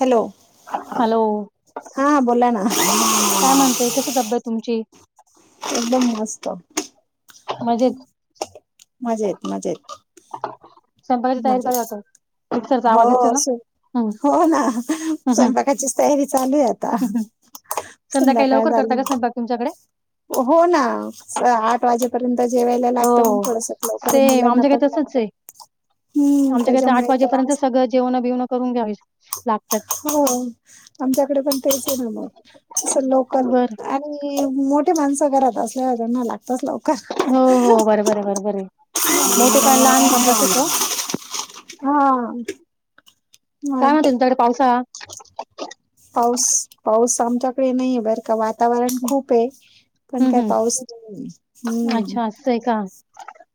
Hello, hello हा बोलाना. काय म्हणते कशी तब्येत तुमची? एकदम मस्त. मजेत मजेत मजेत स्वयंपाकाची तयारी चालू मजेत हाय वाटत मिक्सरचा हो आवाज येतो ना. सु हम्म हो ना हम्म हम्म स्वयंपाकाचीच तयारी चालू आहे आता. हम्म संध्याकाळी संध्याकाळ लवकर करता झाली का स्वयंपाक तुमच्याकडे. हो ना आठ वाजे पर्यत जेवायला हो लागत मंग थोडंसं लवकर मुलांना पण लागत. हम्म आमच्याकडत आठ त्याच्यामुळे तर वाजेपर्यंत सगळं जेवण बिवण करून घ्यावी लागतात. हो आमच्याकडे पण तेच ये ना मग असं लवकर बर आठ आणि मोठे माणसां घरात असल्यावर त्यांना लागतच लवं हो हो बरोबर आहे बरोबर आहे मोठे पण लहान पण तसेच हो हा काय म मग तुमच्याकड पावसाळा पाऊस पाऊस आमच्याकडे नाये बरं का वातावरण खूप ये पण हम्म काय हम्म पाऊस अच्छा असय का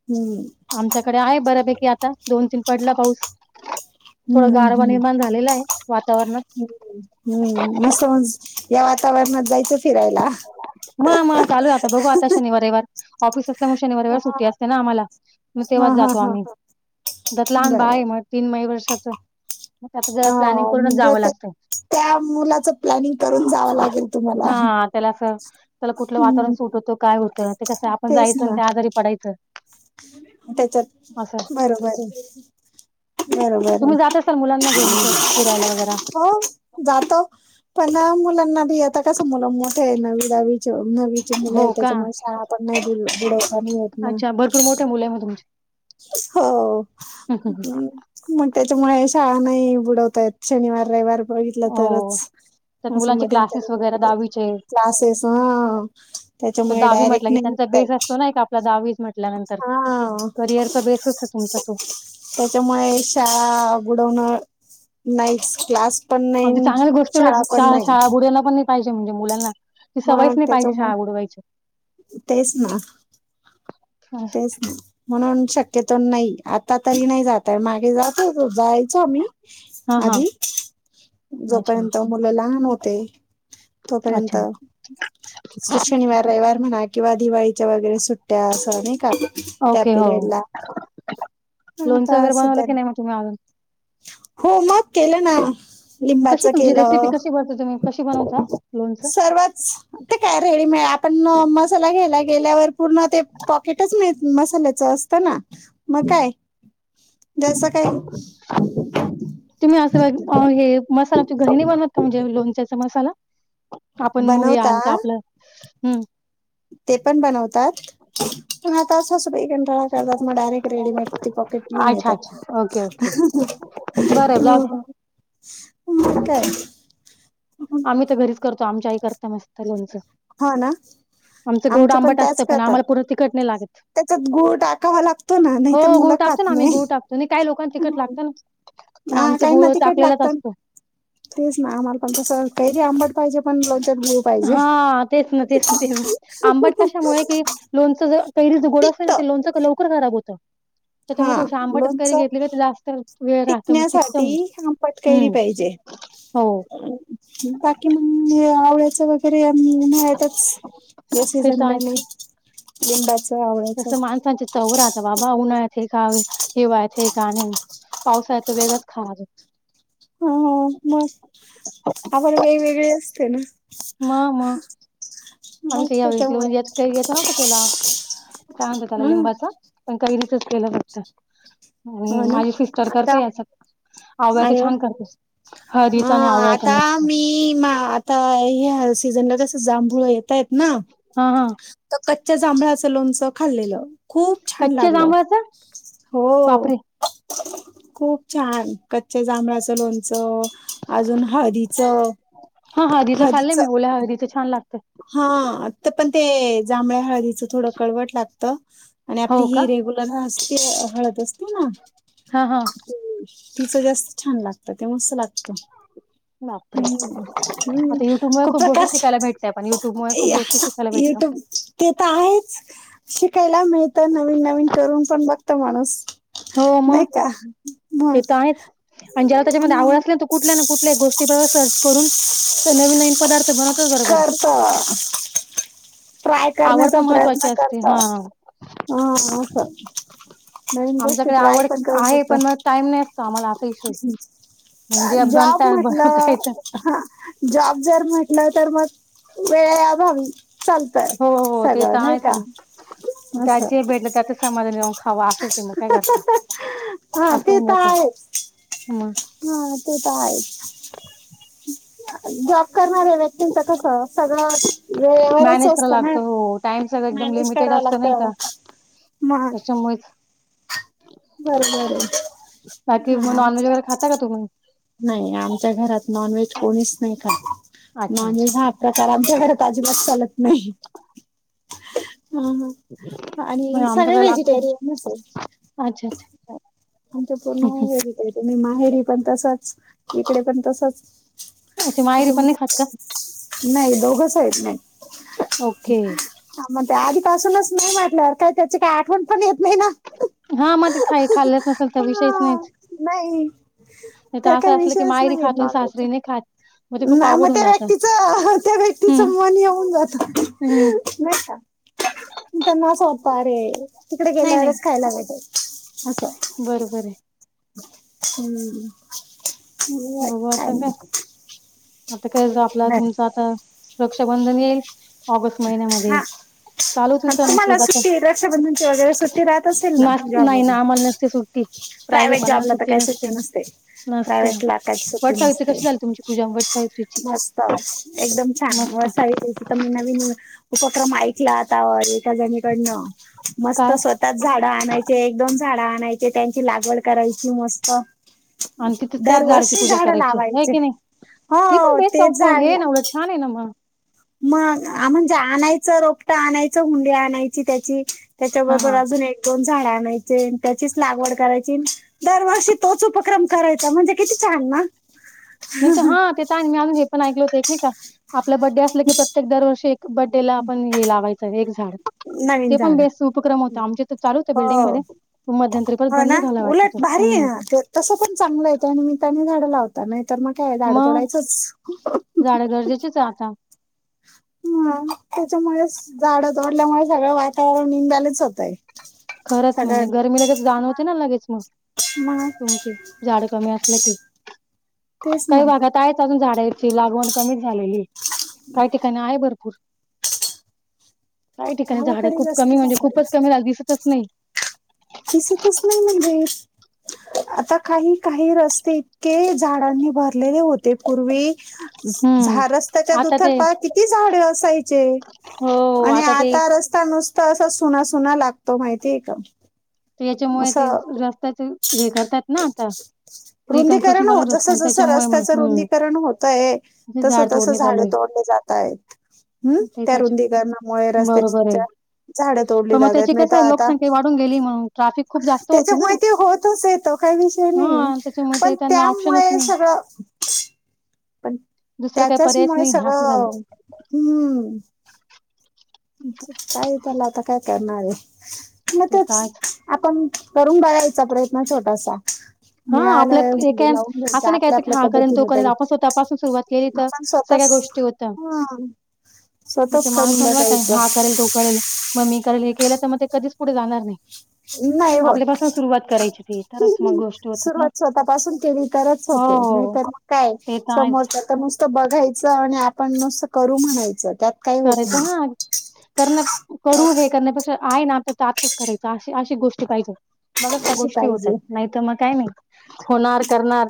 हम्म आमच्याकडे आहे बऱ्यापैकी आता दोन तीन पडला पाऊस. हम्म थोडं हम्म गारवा हम्म निर्माण झालेला आहे वातावरणात ह् हम्म मस्त म या वातावरणात जायचं फिरायला. चालु य आता बघू आता शनिवार रयवार ऑफिस असल्यामुळे शनिवार रयवार सुट्टी असते ना आम्हाला मग हा तेव्हाच हा जातो हा. आम्ही त्यात लहान बाळ बर आहे मग तीन मै वर्षाच त्याच जरा प्लॅनिंग करूनच अ जावं लागतं. त्या मुलाच प्लॅनिंग करून जावं लागेल तुम्हाला हा त्याला आसं त्याला कुठलं वातावरण हम्म सुट होतं काय होतं ना ते कसं आपण तेच जायचं आणि ना त्या आजारी पडायचं. त्याच्यात असं बरोबरये. बरोबर ये तुम्ही जात असाल मुलांना घेऊन इकडं फिरायला वगैरे हो जातो पण मुलांना भी आता कसय मुलं मोठे आहे नवी दहावी चे मुलं हो का त्याच्यामुळ शाळा पण नाय बुडवताना नाय येत. ना अच्छा भरपूर मोठ मुल हाय मग तुमची हो हूं मग त्याच्यामुळे शाळा नाही बुडवता येत शनिवार रविवार बघितला हो तरच त्यात असं मुलांचे मध्यंतरी क्लासेस नाय वगैरे बुडवत दहावीचे क्लासेस हा तो त्याच्यामुळे दहावी म्हटलं डायरेक्ट की नाही ना त्यांचा बेस असतो ना आपला दहावीचं म्हटल्यानंतर हा करिअरचा बेसच आहे तुमचा तो. त्याच्यामुळे शाळा बुडवणं नाईट क्लास पण अगदी नाही चांगली गोष्टी पण शाळा नाही शाळा बुडवंन पण नाय पाहिजे म्हणजे मुलांना ती सवयच मग नाही त्याच्या पाहिजे शाळा बुडवायची. मुळे तेच ना असं. तेच ना म्हणून शक्यतो नाही आता तरी नाही जातय मागे जात होतो जाय तो आम्ही हां, हां. आधी अच्छा, जोपर्यंत मुलं लहान होते. तोपर्यंत अच्छा. शनिवार रविवार म्हणा किंवा दिवाळीच्या वगैरे सुट ट्या असं नाय का त्या ओके. हो. पीरयड ला लोणचं वगैरे बवलं की नाही म तुम्ही अजून हो मग केलं ना कशी लिंबाचं तुमची रेसिपी केलं कशी बनवता तुम्ही? कशी बनवता लोणचं? सर्वच ते काय रेडीमे आपण मसाला घ्यायला गेल्यावर पूर्ण ते पॉकेटच मिळ मसाल्याच अस तो ना म काय जस काय तुम्ही असं हे मसाला त घरीने बनवत का म्हणजे लोणच्याचा मसाला आपण मो हे बनवता आणत आपलं हम्म ते पण बनवतात पण आता अस करतात मग डायरेक्ट रेडीमेड ते पॉकेट लिहुन अच्छा, देतात अच्छा. Okay, okay. बरं आहे जाऊ दे. ह काय आम्ही तर घरीच करतो आमच्या आही करता मस्त लोनचं हा ना आमचं गोड आमचे आंबट त्याच असतं पण करतात आम्हाला पुूंर तिखट नाही लागत. त्याच्यात गूळ टाकावा लागतो ना नाहीतर मुलं खात नाही. त काही लोकांना तिकट लागतं ना पण हा आमचं काही ना गूळ तिखट टाकलेलाच लागतं असतो. तेच ना आम्हाला पण तसं काहीरी आंबट पाहिजे पण लोणच्यात पाहिजे हा तेच ना तेच तेच आंबट कशामुळे की लोनच ज कैरी ज गोड असले तिखट ना ते लोनच लवकर खराब होत त्यामुळे हा तो श आंबाटच कैरी लोणचं घेतली असतील. टिकण्यासाठी आंबट कैरी हम्म. पाहिजे हो बाकी, आवळ्याच वगैरे म्हतच या ते तर सीझनला म लिंबाच आवड तस माणसांचे चौरा आता बाबा उन्हाळयात आहेत हे का हेव आहेत हे का नाही [inaudible] पावसाळ्यात तर वेगळच खाणार जो ह मग आपण काही वेगळे असते ना, मा म आम्ही मग काही त्याच्यामुळे यावेही याचा नव्हत केला काय म्हणत त्याला हा लिंबाचा पण कैरीचच केलं बघत आणि हो ना माझी सिस्टर आता करते या सग आवळ्याच अरे वा छान करत हळदीच आणि आवळच मस्त, कम [inaudible] आता हे सीझनला तसं जांभूळ येतय आहेत ना, हा हा तर कच्च्या जांभळाचं लोणचं खाल्लेलं खूप छान कच्च्या लागल जांभळाचा हो, बापरे खूप छान कच्च्या जांभळाचं लोणचं, अजून हळदीचा हा हा तिं खाल्य मिळवू ह तिथं ान लात [inaudible] हा तर पण ते जांभळ्या हळदीच थोडं कळवट लागतं आणि आपली हो का ही रेगुलर असते हळद असते ना, हा हा ती- तिचं जास्त छान लागत तेव्हा लागत, बापरे हम्म हम्म आता युट्यूबमुळे खूप गोष्टी खुप्रकाश शिकायला भेटताय पण युट्यूबमुळे खूप गोष्टी शिकायला भेटतात युट्यूब ते तर आहेच शिकायला मिळतं नवीन नवीन करून पण बघत माणूस हो मग नाही का मग ते तर आहेच, आणि ज्याला त्याच्यामध्ये आवड मग असली तू कुठल्या ना कुठल्या गोष्टी बरोबर सर्च करून नवीन नवीन पदारथ बनवतोच बरोबर. करत ट्राय आवड करण्याचा पण महत्वाची प्रयत्न असते करत. हा हा न गोष्ट ट्रय पण कर बत [unintelligible] टाईम नसतो का आमला जॉब बनवता म्हटलं येतं जॉब जर म्हटलं तर मग वेळेअभावी चालत. हो हो ते तर आहे स त्यात असं जे भेटलं त्यातच समाधा खावा असंच मग काय करता हा ते असं तर जात मग त तर आहे, जॉब करणाऱ्या व्यक्तीच कस सगळं वेळेवरच असतं ना, ाम मॅनेज करावा लागत मग जम्ईत बर बर बाकी मग हा नॉनव्हेज वगैरे खाता का तु्ही नाही आमच्या घरात नॉनव्हेज कोणीच नाही खात अच्छा अच्छा नॉनव्हेज हा प्रकार आमच्या घरात अजिबात चालत नाही ह आणि म्हणजे सगळे आमच्याकडे लागतं व्हेजिटेरियन आहे अच्छा अच्छा अच्या पूर्ण तुम्ही माहेडी पण तसाच इकडे पण अच्छा माहेरी पण तसाचुम्हाला नाही खात का नाही दोघंच आहेत नाही ओके ह मग त्या आधीपासूनच नाही म्हटलंवर काय त्याची काही आठवण पण येत नाही ना हा हा मग ते खाई खाल्लंच नसेल तर विषयच नाहीच नाही नाही तर त्या असं काही असलं की विषयच माहेरी नाहीत खातो आणि नॉनवहेज सासरी नाही खात ते खूप ना मग अवघड होऊन त्या जातं व्यक्तीच त्या व्यक्तीचं हम्म मन येऊन जात हम्म नाही का त्यांना स्वपा रे तिकडे नाही नाही गेल्यावरच खायला भेटे असं बरोबर आहे हम्म हो बघू अच्छा आता म काय आता काय ज आपला तुमच आता रक्षाबंधन येईल ऑगस्ट महिन्यामध्ये हा चालू होतील हा सण तुम्हाला सुद्धा सुट्टी रक्षाबंधनची वगैरे सुट्टी राहत असेल ना नास जॉब नाही ना वगैरे आम्हाला नसते सुट्टी. प्रायव्हेट प्रायवहेट वाल्यांना जॉबला तर काही सुट्टी नसते नसते ना. प्रायवहेटला काही वट सुट्टी सावित्री नसते कशी झाली तुमची पूजा वट सावित्रीची? मस्त एकदम छान मस्त. वसावी मी नवीन उपक्रम ऐकला आता एका जणीकडन मस्त काय स्व तच झाडं आणायचे एकदम झाडं आणायचे त्यांची लागवड करायची मस्त आणि तिथे त्याच झाडाची दरवर्षी पूजा झाड करायची हाय लावायचे की नाही? ती पण हो बेस्ट तेच झाड हे ला ना उलट छान नम मग म्हणजे आणायचं रोपट आणायचं हुंडी आणायची त्याची त्याच्या हा बरोबर हा अजून एक दोन झाडे आणायची त्याचीच लागवड करायची दरवर्षी तोच उपक्रम करायचा म्हणजे किती छान ना नाही हा ते मी अजून हे पण ऐकलं होत एक नाही का आपलं बड्डे असलं की प्रत्येक दरवर्षी बड्डे ला आपण हे लावायचं आहे एक झाड नवीन ते पण झाड बेस्ट उपक्रम होत आमचे चालूत आहे बिल्डिंग हो मध्ये मध्यंतरी परत हो बंद ना झाला उलट वाटतं तो. भारी आहे हम्म. ना तस पण चांगलं येतं आणि मी त्यानी झाडं लावता नाही तर मग काय झाडं मग तोडायचंच गरजेचेच आता हा त्याच्यामुळे झाडं तोडल्यामुळे सगळं वातावरण निंब्यालेच होतय खरंच म्हणजे गरमी लगेच जाणवते ना लगेच मग मग तुमची झाड कमी असलं की तेच काही ना भागात आहेच अजून झाडाची लागव कमी झाली काय ठिकाणी आहे भरपूर काही ठिकाणी झाड आहे गावाकडे खूप जास्त कमी म्हणजे झाडं खूपच कमी लाल दिसतच नाही दिसतच नाही म्हणजे आता काही काही रस्ते इतके झाडांनी भरलेले होते पूर्वी हम्म झा रस्त्याच्या आता ते दुथरपा किती झाडे असायचे हो आणि ते आता रस्ता नुसता असा सुना सुना लागतो माहिती आहे का याच्यामुळे ते असं रस्त्याच हे करतात ना आता रिकन्स्ट्रक्शन रुंदीकरण चालू जस रस्त्यां जस त्याच्यामुळे मग रस्त्याचं हम्म रुंदीकरण होतय तस तस तोडणी झाड चालू आहे तोडले जात ताय हम्म ते त्या त्याच्या रुंदीकरणामुळे बरोबर आहे रस्त्या झाडं तोडली जातात नाही तर आता ून गेली म्हणून ट्राफिक खूप जास्त होते ना त्याच्यामुळेती होतच येतो. काही विषय नाही हा त्याच्यामुळे ते पण त्यांना ऑप्शनच त्यामुळे नाही सगळं पण, दुसरं काही त्याच्याच पर्यायच मु नाही असं झालं सगळं हम्म कायेतला आता काय कायणार? म ते तर आपण करून बरायचा, प्रयत्न छोटासा हा. आपलंय मिळालंय हुंडी [unintelligible] लावून असं घ्यायचा नाही आपल्या कयचं की, आपल्या हा करेन, तो पद्धतीने करेन तरी आपण स्वतःपासून सुरुवात केली तर आपण सगळ्या स्वतःच गोष्टी होत हा हे तर स्वतःच माणूस करून म्हणणार काय? हा बघायचं करेल, तो करेल मग मी केल हे केलं तर मग ते कधीच पुढे जाणार नाही. नाही होत. आपल्यापासून सुरुवात करायची ते, तरच मग गोष्ट सुरवात स्वतःपासून केली तरच होते. नाही हो, तरर काय ते तर आहेच. समोर नुस्तं बघायच. आणि आपण नुस्तं करू म्हणायच त्या करायच, हा. करण्या करू त्यात हे करण्यापेक्षा आहे ना, तर आत्ताच करायचं अ अशी गोष्टी पाहिजे. मगच त्या अशी गोष्टी होतात. पाहिजे नाहीत मग काय नाही होणार, करणार.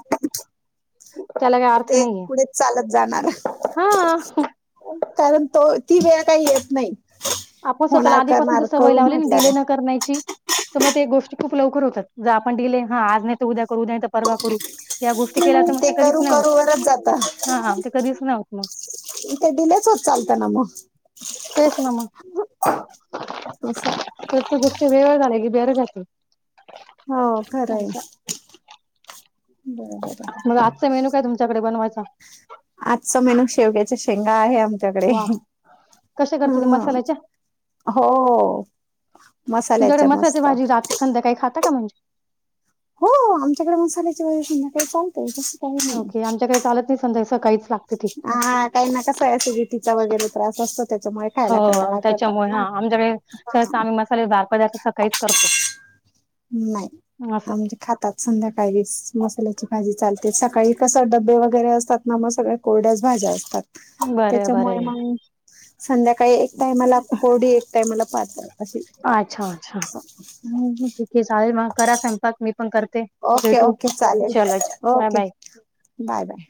त्याला काय अर्थ ते नाहीए. पुढेच चालत जाणार. हा. कारण तो, ती वेळ काही येत नाही. आपण स्वतःला होणार आधीपासून करणार ज सवय करू लावली न डले न म्हटल्यावर करण्याची तर मग ते गोष्टी खूप लवकर होतात. जर आपण डिले हा. आज नाही ते उद्या करू न नाही परवा करू, या गोष्टी केल्या तर मग ते कधीच करू नाही होत. करूवरच जात हा. हा. ते कधीच नाही होत मग. इके डलेस होत चालत नम तेच ना मग. असं तर त गोष्टी वेगळ झाले की बेरजल हो खरं आहे. बरोबर आहे. मग आजचा मेन्यू काय तुमच्याकडे बनवायचा? आजचा मेनू शेवग्याच्या शेंगा आहे आमच्याकडे. वा कशा हा. करते ते मसाल्याच्या हो. तुमच्याकडे मसाल्याच्या मसाल्याची मस्त भाजी रात्री संध्याकाळी खाता का म्हणजे हो. आमच्याकडे मसाल्याची बाजू संध्याकडे चालतय. तस ओके. आमच्याकडे चालत नाही. सधा सकाळीच लागते ती हा. काही ना कस एसिडिटीचा वगैरे त्रास असतो, त्याच्यामुळे हो खायला कडता लागत. त्याच्यामुळे, हा. आमच्याकडे सह आम्ही मसाले दार नाही. असं आमच्या खातात संध्याकाळी मसाल्याची भाजी चालते. सकाळी कस डबे वगैरे असतात ना, मग सगळ कोरड्याच भाज्या असतात. बरे बरे त्याच्यामुळे मग संध्याकाळी एक टाइमाला कोडी, एक टाइमला पात्र अ अच्छा. अच्छा. [unintelligible] हे चालेल मग. करा संपाक. मी पण करते. ओके, भेटू ओके, चला चालेलं. Bye okay, bye bye. Bye.